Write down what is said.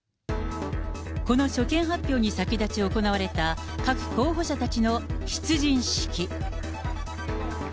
この所見発表に先立ち行われた各候補者たちの出陣式。